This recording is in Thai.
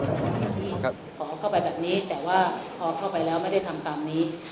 ขอเข้าไปแบบนี้แต่ว่าพอเข้าไปแล้วไม่ได้ทำตามนี้